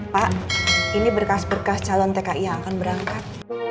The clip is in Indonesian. pak ini berkas berkas calon tki yang akan berangkat